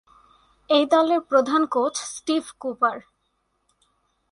এই দলের প্রধান কোচ স্টিভ কুপার।